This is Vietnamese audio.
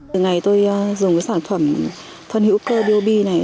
từ ngày tôi dùng sản phẩm phân hữu cơ dob này